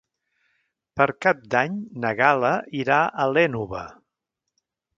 Per Cap d'Any na Gal·la irà a l'Énova.